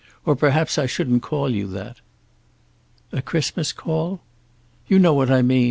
Or perhaps I shouldn't call you that." "A Christmas call?" "You know what I mean.